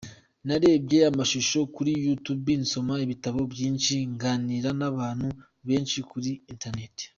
Narebye amashusho kuri YouTube, nsoma ibitabo byinshi, nganira n’abantu benshi kuri internet.